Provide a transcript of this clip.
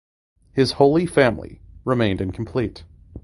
His "Holy Family" remained incomplete.